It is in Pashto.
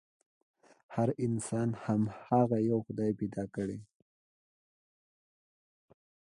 هر انسان هماغه يوه خدای پيدا کړی دی.